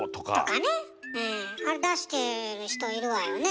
あれ出してる人いるわよね。